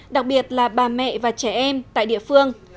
đặc biệt là bà mẹ và trẻ em tại địa phương